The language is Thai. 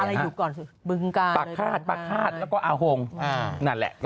อะไรอยู่ก่อนมึงกาปะฆาตแล้วก็อาหงนั่นแหละ